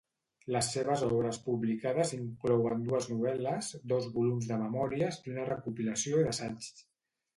Les seves obres publicades inclouen dues novel·les, dos volums de memòries i una recopilació d'assaigs.